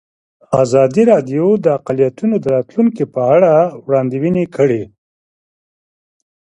ازادي راډیو د اقلیتونه د راتلونکې په اړه وړاندوینې کړې.